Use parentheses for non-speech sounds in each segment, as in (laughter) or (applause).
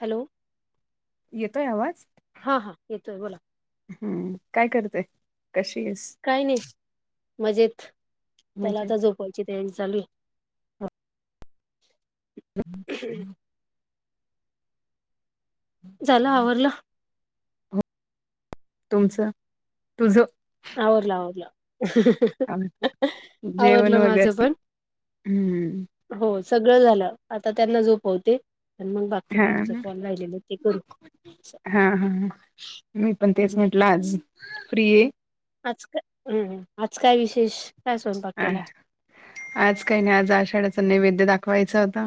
Hello येतोय आवाज हा येतोय बोला हम्म काय करतेय कशी आहेस काय नाही मज्जेत त्याला आता मजेत? झोप (unintelligible) चालुये झालं आवरलं दोनच तुझं आवरलं, आवरलं हा बरं जेवण आवरलं माझं वगैरे पण हम्म हो सगळं झालं आता त्यांना झोपवते आणि मग बाकीच पुढच कॉल राहिलेलं ते करू हा, हा, हा मी पण तेच म्हटलं आज फ्री ये आज काय हम्म ह आज काय विशेष काय स्वयंपाक अ केला आज काही नाही आज आषाढ्याचा नैवेद्य दाखवायचा होता.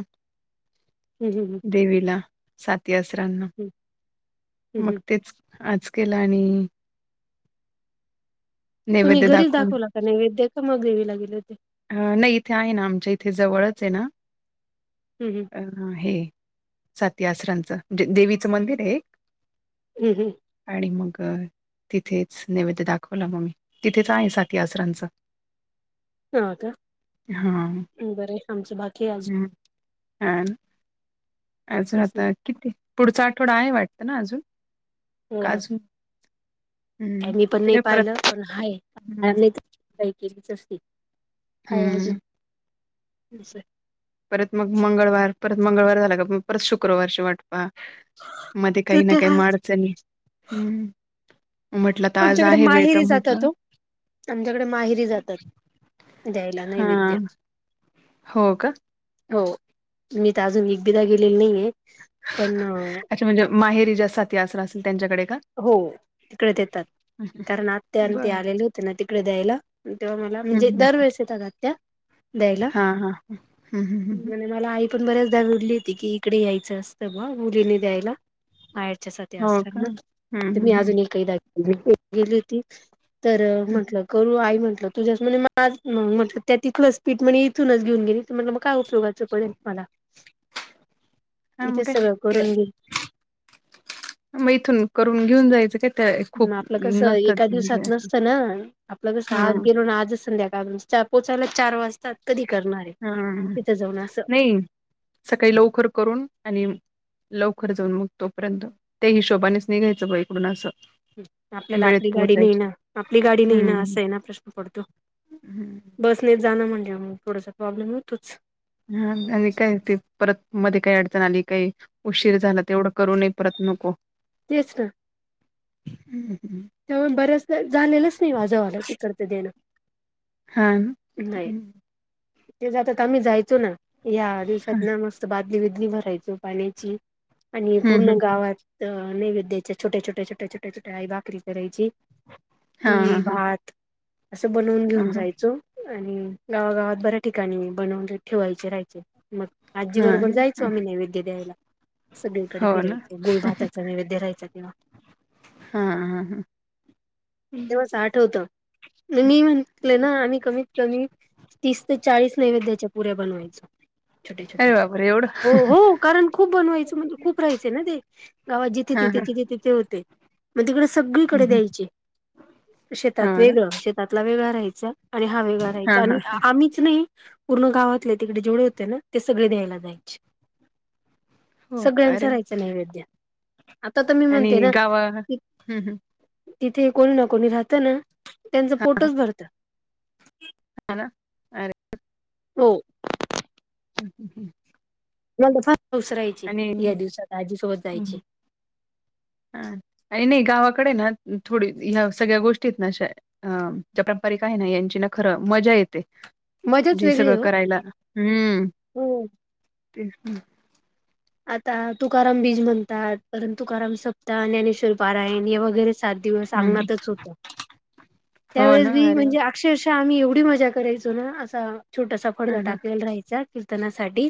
हम हं हं. देवीला साती असराणा हम्म मग हम्म तेच आज केला आणि. तुम्ही नैवेद्य घरीच दाखवून दाखवला का? नैवद्य का मग देवीला गेले. हा नाही इथे आहे ना आमच्या इथे जवळच आहे ना. हम् हम. अ हे साती आसरांचं जे देवीचं मंदिर आहे एक. हम् हम. आणि मग तिथेच नैवेद्य दाखवला मग तिथेच आहे साती आसरांच. हा का? हां. हम्म बरंय आमचं बाकी आजुन. हं. आणि अजून आता किती? पुढचा आठवडा आहे वाटतं ना आजुन, आजुन. यांनी पण नाही परत पाहिलं पण ह्या हं, आम्हीच केलीच असती. हाय अजून हम्म. परत मग मंगळवार परत मंगळवार झाला का परत शुक्रवारची वाट हा मध्ये ते काही ना तर काही मा हायच अडचणी हम्म. तुमच्याकडे माहिरी जातात हो आमच्याकडे माहिरी जातात. द्यायला नैवेद्य. हां. हो का? हो मी तर अजून एकटी राहलीली नाही आहे पण. अच्छा म्हणजे माहेरी जा साठी असरा असेल त्यांच्याकडे का? हो तिकडे देतात. कारण आत्यां आणि ती बरं. आलेली त्यांना तिकडे द्यायला तेव्हा मला म्हणजे दरवेेळेस येतात आत्या. द्यायला हा हा हम् हम्म हम्. म्हणे मला आई पण बऱ्याच दा लेकी की कडे यायचं असतं मग मुलीनी द्यायला. बाहेरच्या साठी हो असतं का? मग हं, हं, ते हं, आजुन एक केलीय हम्म्म हम्म हम. गेली ती तर हं. म्हंटलं करू आई म्हटलं तुझ्याच म्हणे माझ्या हा मग म्हटले ते तिथलंच पीठ म्हणे इथूनच घेऊन गेली तर म्हटले मग काय उपयोगात. च पडेन पाला इथे सगळं करून घेईल. छ्या मग इथून करून घेऊन जायचं काय? त्या खूप मा आपलं कसं नसतात ऐका दिवसात म्हणजे नसतं ना आपलं कसं आज हम्म गेलो ना आजच संध्याकाळी चार पोचायला चार वाजताात कधी करणारे हा तिथं जाऊन असं. नाही सकाळी लवकर करून आणि म लवकर जाऊन मग तोपर्यंत त्या हिशोबानेच निघ्यायचं ब इकडून असं. आपल्याला वेळेत आपली गाडी नाही पोहोचायच ना आपली गाडी नाही ना हम्म असं आहे ना प्रश्न पडतो. बस नाही जाण म्हजे मग थोडंस प्रॉब्लेम होतोच. हा आणि काय ते परत मध्ये काही अडचण आली काही. उशीर झाला तेवढं करून ये परत नको. तेच ना. हम् हम. त्यामुळे बर्याच झालेलंच नाही वाजवायला तिकडत देणं. हा्. नाही ते जातात आम्ही जायचो ना या्या दिवसात ना मस्त. बादली बिदली भरायचो पाण्याची आणि पूर्ण हम्म गावात. अ नैवेद्याचे छोटे, छोटे, छोटे, छोटे, छोट्या आई भाकरी करायची. हा हा ती हा भात असं बनवून घेऊन हा जायचो. आणि गावागावात बऱ्या ठिकाणी बनवून ठेवायचे राहायचे मग. आजी हा बरोबर जायचो आम्ही नैवेद्य द्यायला. हा सगळीकडे हो ना फिरायचं गुळ भातायचा नैवेद्य राहायचं तेव्हा. हा हा हा. तेवस आठ होत मी म्हटले ना आम्ही कमी. कमी तीस ते चाळीस नैवेद्याच्या पुऱ्या बनवायच छोट्या छोट्या. आपले एवढं. हो हो कारण खूप बनवायचं म्हणजे खूप राहायचं ना ते. गावा जिथे- हा तिथे- हा तिथे- तिथे होते. मग तिकडे सगळीकडे द्यायचे हा शेतात ना वेगळं शेतातला वेगळा राहायचा. आणि वेगळा हा रायचा हा आणि आम्हीच नाही. पूर्ण गावातले तिकडे जेवढे होते ना ते सगळे द्यायला जायचे. हो का सगळ्यांच अरे वा राहायचं नैवेद्य आता तर मी म्हणते ना. हम् हम. तिथे कोणी ना कोणी राहतं ना त्यांचा पोटोचं भरतं. ह ना. अरे हो. ह हम म फस्ट उसरायची या दिवसात आजीसोबत जायची. हा नाही गावाकडे ना थोडी ह्या सगळ्या गोष्टीत ना अशा. अ चपा पारंपरिका आहे ना यांची ना खरं मजा येते. मजाच ज वेगळी सगळं हो करायला हम्म हो ते. आता तुकाराम बीज म्हणतात परंत तुकाराम सप्ताह ज्ञानेश्वर. पारायण हे वगैरे सात दिवस हं, हं. अंगणातच होत हो त्यावेळेस ना मी अरे वाह! म्हणजे. अक्षरश आम्ही एवढी मजा करायचो ना असा छोटासा. पडदा हं, हं. टाकलेला राहायचा कीर्तनासाठी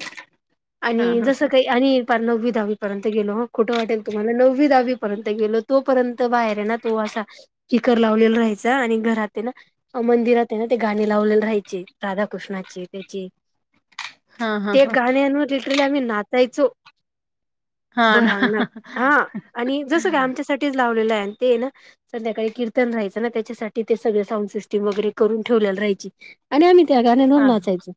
हां, आणि हां, जस. आणि पार नव्वी दहावी पर्यंत गेलो ह खोटं वाटेल तुम्हाला नववी दहावीपर्यंत गेलो तोपर्यंत बाहेर आहे ना. तो असा स्पीकर लावलेला राहायचा आणि घरात ना. मंदिरात आहे ना ते गाणी लावलेले राहायचे राधाकृष्णाची त्याचे. हां, हां, त्या हां, गाण्यांवर लिटरला आम्ही नाचायचो. हां हां भर ना अंगण हा आणि जसं काय आमच्यासाठीच लावलेलं आहे ते ना. संध्याकाळी कीर्तन राहायचं ना त्याच्यासाठी ते सगळ साऊंड सिस्टीम वगैरे करून ठेवलेला राहायची. आणि आम्ही त्या गाण्यांवर हां, नाचायचो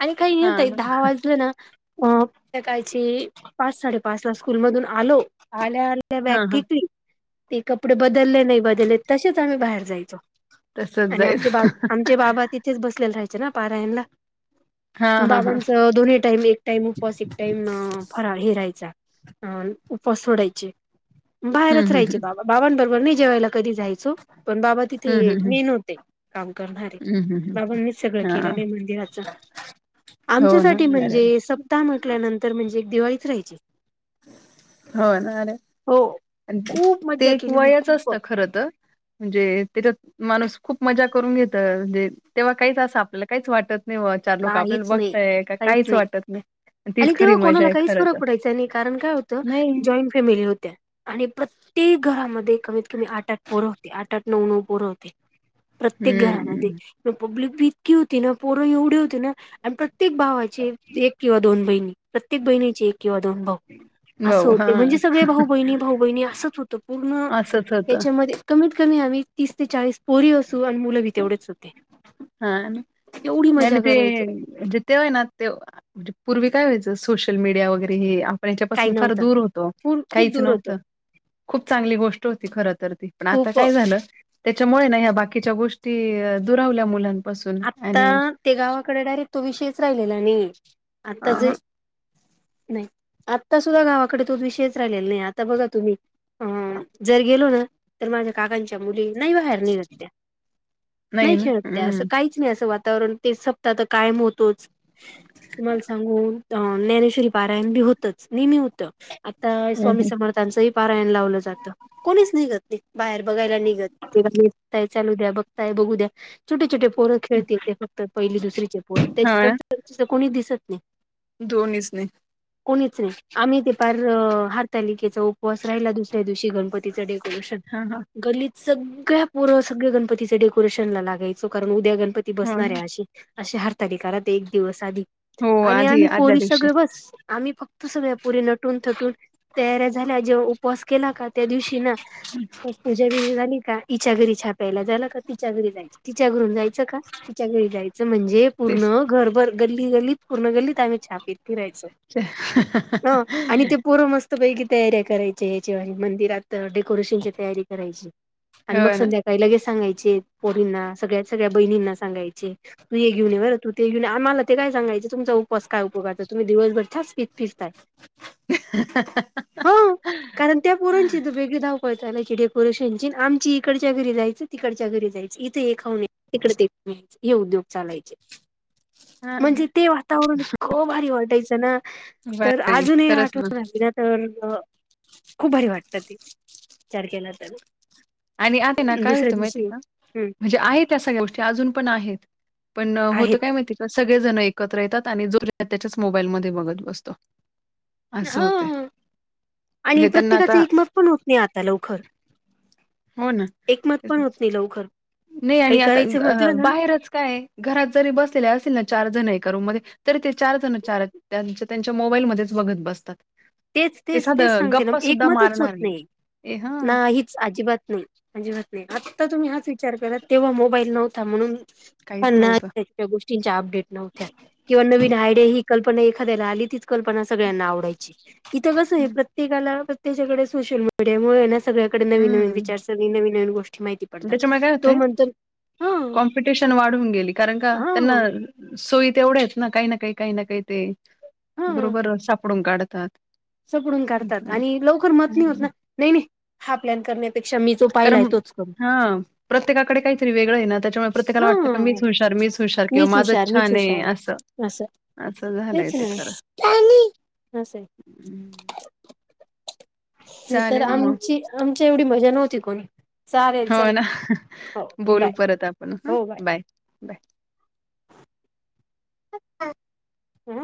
आणि काही हां येतय ना दहा वाजतो ना अ. संद्याकाळीची पाच साडेपाच ला स्कूल मधून आलो आल्या आल्या बॅग हां, हां. फेकली. ते कपडे बदलले नाही बदलले तसेच आम्ही बाहेर जायचो. तसंच आणि आमचे बा जायचं. आमचे बाबा तिथ. तिथचं बसलेला राहायच ना पारायणला हां, हां, हां. बाबांच दोन्ही टाईम एक टाइम उपवासिक. टाइम फराळ हे रायचा अ उपस सोडायचे. बाहेरच हं, हं, राहायची हं. बाबा बाबांबरोबर मी जेवायला कधी जायच. अब पण बाबा हं, तिथे हं, हं. मेन होते काम करणारे. हं, हं, हं. बाबांनीच सगळं हां. केलेलं आहे मंदिराच हो ना आमच्यासाठी अरे म्हणजे वाह! स - सप्ता म्हटल्यानंतर म्हणजे एक दिवाळीत राहायची. हां हो ना रे हो खूप ते मज्जा एक केलेली वयच असत खूप खर तर. म्हणजे तच्यात. माणुस खूप मज्जा करून घेतोय म्हणजे तेव्हा काहीच असं आपल्याला काहीच वाटत नाही चार लोक आपल्याला बघताय का काहीच वाटत नाही आणि तीच खरी तेव्हा मजा कोणाला आहे काहीच खर फरक तर पडायचा नाही, कारण काय होतं नाही जॉईंन फॅमिली होत्या आणि प्रत्येक घरामध्ये कमीत कमी आठ, आठ पोरं होते आठ, आठ, नऊ, नऊ पोरं होते प्रत्येक हम्म घरामध्ये पब्लिक बी इतकी होती ना पोर एवढे होते ना आणि प्रत्येक भावाचे एक किंवा दोन बहिणी प्रत्येक बहिणीचे एक किंवा दोन भाऊ असं भाऊ हा होते म्हणजे सगळे भाऊ बहिणी, भाऊ बहिणी असंच होतं पूर्ण असंच होतं याच्यामध्ये कमीत कमी आम्ही तीस ते चाळीस पोरी अस चो अन् मुलं बी तेवढेच होते, हा येवढी आणि मज्जा ते करायचो म्हणजे ते आहे ना ते म्हणजे पूर्वी काय व्हायचं सोशल मीडिया वगैरे हे पण काही याच्यापासून फार नव्हतं दूर होतो, पूर खूप काहीच दूर होतं नव्हतं. खूप चांगली गोष्ट होती खर तर ती पण आता खूप काय झालं त्याच्यामुळे ना ह्या बाकीच्या गोष्टी दुरावल्या मुलां आत्ता ते गावाकडे डायरेक्ट तो विषयच राहिलेला नाही ये आता जे अ नाही आत्ता सुद्धा गावाकडे तो विषयच राहिलेला नाही ये, आत्ता बघा तुम्ही अ जर गेलो ना तर माझ्या काकांच्या मुली नाही बाहेर निघत त्या नाही ना खेळत त्या हम्म असं काहीच नाही असं वातावरण ते सपता तर कायम होतोच. तुम्हाला सांगू ज्ञानेश्वरी पारायण बी होतच, नेहमी होत. आत्ता हम्म स्वामी हम्म. समर्थां चंही पारायण लावलं जातं. कोणीच निघत नाही, बाहेर बघायला निघत ते निघताय चालू द्या, बघताय बघू द्या. छोटे, छोटे पोरं खेळतील ते फक्त पहिली, दुसरीचे पोरं हा ना त्याच्यानंतर कोणी दिसत नाही. दोन्हीच नाही कोणी च नाही, आम्ही ते पारं अं हारतालिकेचा उपवास राहिला, दुसऱ्या दिवशी गणपतीच डेकोरेशन हा हा गल्लीत सगळ्या पोरं सगळं गणपतीच डेकोरेशन ला लागायचो, कारण उद्या गणपती हो बसणार ना आहे अशी अशी हरतालीका राहते एक दिवस आधी हो आणि आधी आम्ही आदल्या पोरी दिवशी सगळं बस आम्ही फक्त सगळे पोरी नटून, थटून तयाऱ्या झाल्या जेव्हा उपवास केला का त्या दिवशी ना पूज्या वेळी झाली का हीच्या घरी चहा प्यायला झाला का, तिच्या घरी जायचं, तिच्या घरून जायचं का तिच्या घरी जायचं म्हणजे तेच पूर्ण घरभर गल्ली, गल्लीत पूर्ण गल्लीत आम्ही चहा पीत फिरायचो. च्या हां, हा हं आणि ते पोरं मस्त पैकी तयारया करायचे या्याच्या व मंदिरात डेकोरेशनची तयारी करायची. अन् मग हो ना संध्याकाळी लगेच सांगायचे पोरींना सगळ्या, सगळ्या बहिणींना सांगायचे तू हे घेऊन ये बरं तू ते घेऊ आमाला ते काय सगायचे तुमचा उपवास काय उपयोगाचा, तुम्ही दिवसभर चहा च पित फिरताय. अं, अं, हो हं, ह कारण त्या पोराणची त वेगळी धावपळ चालायची डेकोरेशनची आमची इकडच्या घरी जायचं, तिकडच्या घरी जायचं इ ते हे खाऊन ये तिकड ते हे उद्योग चालायचे हा ना म्हणजे ते वातावरण इतंक भारी वाटायचं ना बर तर अजूनही आठवण आली ना तर अ खूप भारी वाटतं ते, विचार केला तर. आणि आता ना काय दुसऱ्या होतं माहिती दिवशी का हम्म म्हणजे आहेत त्या सगळ्या गोष्टी अजून पण आहेत. पण होतं काय आहेत माहिती का सगळेजण एकत्र येतात आणि जो ज्याच्या त्याच्याच मोबाईलमध्ये बघत बसतो. असं होतंय हं आणि म्हणजे त्यांना प्रत्येकाचं आता एकमत पण होत नाही आता लवखर. हो ना, पण होत नाही लवकर नई काही आणि आता ग करायचं अ म्हटलं ना बाहेरच काय ये घरात जरी बसलेले असतील ना चार जण एका रुम मध्ये तर ते चार जण चार त्यां त्यांच्या मोबाईलमध्येच बघत बसतात. तेच- ते तेच- तेच साधं सांगते ना गप्पा सुद्धा एकमतच होत मारणार नाही ए हां, ना. अजिबात नाही, अजिबात नाही आता तुम्ही हाच विचार करा तेव्हा मोबाईल नव्हता म्हणून काहीच नव्हतं. पनाते (inaudible) या गोष्टींच्या अपडेट नव्हत्या किंवा नवीन आयडिया ही कल्पना एखाद्याला आली कल्पना सगळ्यांना आवडायची इथ कस आहे पण हं, प्रत्येकाला- प्रत्येकाकडे सोशल मीडियामुळेळे ना सगळ्याडे नवीनवीन हं. विचार सगळी नवी-नवीन गोष्टी माहिती पडतात. त्याच्यामुळे काय तो होते म्हणतो हा कॉम्पिटिशन वाढून गेली कारण का त्यांना हा सोयी तेवढ्याचआहे ना काही, ना काही, काही ना काही ते बरोबर सापडून काढतात. सापडून हं, काढतात हं, आणि लवकर मत नाही हं. होत ना नाही -नाही हा प्लॅन करण्यात पेक्षा मी जो पाहिलाय कारण तोच कर. हा प्रत्येकाकडे काहीतरी वेगळं आहे ना त्याच्यामुळे प्रत्येकाला वाटतं का हा मीच हुशार, मीच हुशार किंवा मीच माझच हुशार मीच छान आहे हुशार असं असं असं झालंय तेच ना हा स हम्म नाही तर चालेल मग आमची आमच्या एवढी मजा नव्हती कोणी चालेल हो चल ना हो बोलू बाय परत आपण ह बाय -बाय हम